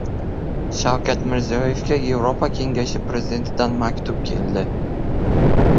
Shavkat Mirziyoevga Yevropa Kengashi Prezidentidan maktub keldi